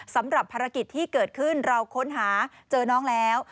สำหรับภารกิจที่เกิดขึ้นเราค้นหาเจอน้องแล้ว